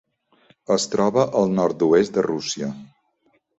Es troba al nord-oest de Rússia.